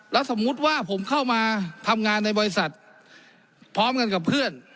แล้วสมมุติว่าผมเข้ามาทำงานในบริษัทพร้อมกันกับเพื่อน